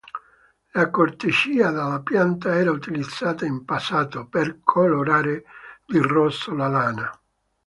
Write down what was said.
La corteccia della pianta era utilizzata in passato per colorare di rosso la lana.